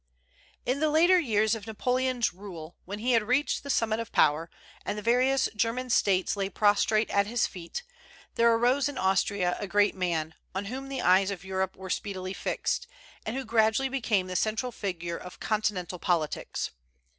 In the later years of Napoleon's rule, when he had reached the summit of power, and the various German States lay prostrate at his feet, there arose in Austria a great man, on whom the eyes of Europe were speedily fixed, and who gradually became the central figure of Continental politics.